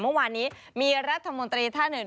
มืดเรือมืดเรือ